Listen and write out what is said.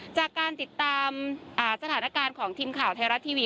จากการติดตามสถานการณ์ของทีมข่าวไทยรัฐทีวี